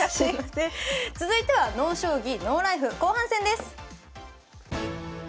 続いては「ＮＯ将棋ＮＯＬＩＦＥ」後半戦です。